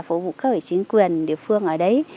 phục vụ các ủy chính quyền địa phương ở đấy